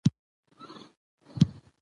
د مېلو پر مهال خلک یو بل ته درناوی ښيي.